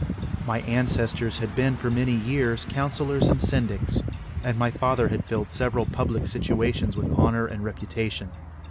My ancestors had been for many years counsellors and syndics, and my father had filled several public situations with honour and reputation.